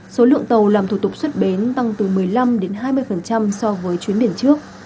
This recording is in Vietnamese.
số lượng tàu làm thủ tục xuất bến tăng từ một mươi năm hai mươi so với chuyến biển trước